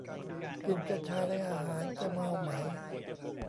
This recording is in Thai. กินกัญชาในอาหารจะเมาไหม